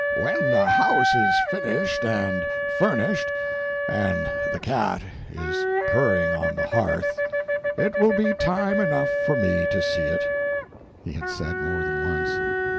"When the house is finished and furnished, and the cat is purring on the hearth, it will be time enough for me to see it," he had said more than once.